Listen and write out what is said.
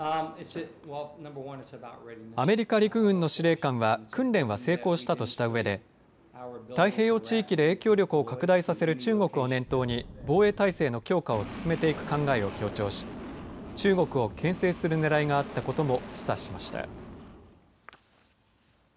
アメリカ陸軍の司令官は訓練は成功したとしたうえで太平洋地域で影響力を拡大させる中国を念頭に防衛態勢の強化を進めていく考えを強調し中国をけん制するねらいがあったことも示唆しました。